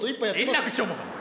円楽師匠もか。